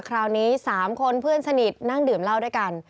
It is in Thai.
คราวนี้๓คนเพื่อนสนิทนั่งดื่มเหล้าด้วยกัน